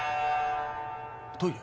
トイレ？